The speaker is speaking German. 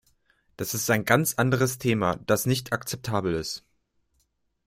Das ist ein ganz anderes Thema, das nicht akzeptabel ist.